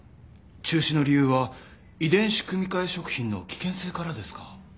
中止の理由は遺伝子組み換え食品の危険性からですか？